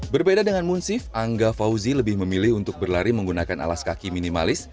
berbeda dengan munsif angga fauzi lebih memilih untuk berlari menggunakan alas kaki minimalis